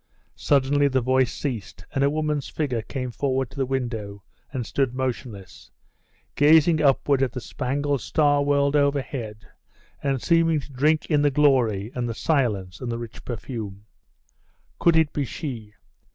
Suddenly the voice ceased, and a woman's figure came forward to the window, and stood motionless, gazing upward at the spangled star world overhead, and seeming to drink in the glory, and the silence, and the rich perfume.... Could it be she?